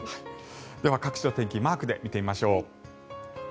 各地の天気マークで見てみましょう。